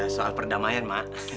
soal perdamaian mak